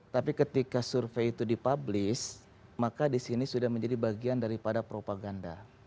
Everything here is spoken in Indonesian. tapi ketika survei itu dipublis maka disini sudah menjadi bagian daripada propaganda